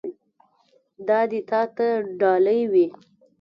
دا دې تا ته ډالۍ وي.